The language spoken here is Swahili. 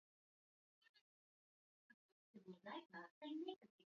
tangu mwezi wa kwanza mwaka elfu moja mia tisa ishirini